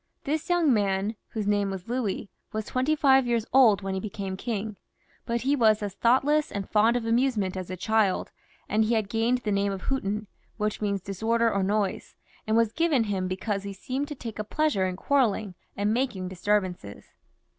This young man, whose name was Louis, was twenty five years old when he became king ; but he was as thoughtless and fond of amusement as a child, and he had gained the name of Hutin, which means disorder or noise, and was given him because he seemed to take a pleasure in quarrelling and making disturbances.